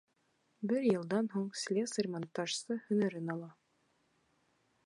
Бер йылдан һуң слесарь-монтажсы һөнәрен ала.